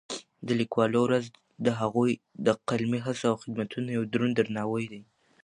د لیکوالو ورځ د هغوی د قلمي هڅو او خدمتونو یو دروند درناوی دی.